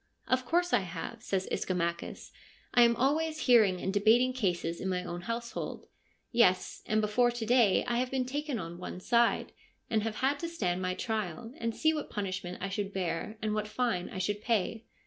' Of course I have,' says Ischomachus. ' I am always hearing and debating cases in my own household. Yes, and before to day I have been taken on one side, and have had to stand my trial, to see what punishment I should bear and what fine I should pay.'